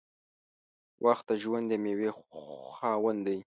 • وخت د ژوند د میوې خاوند دی.